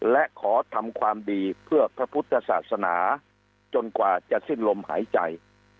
และขอทำความดีเพื่อพระพุทธศาสนาจนกว่าจะสิ้นลมหายใจ